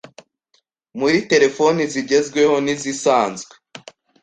muri telefoni zigezweho n’izisanzwe